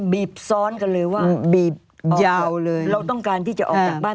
บีบซ้อนกันเลยว่าบีบยาวเลยเราต้องการที่จะออกจากบ้าน